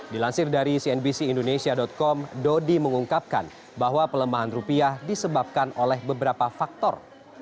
dilansir dari cnbc indonesia com dodi mengungkapkan bahwa pelemahan rupiah disebabkan oleh beberapa faktor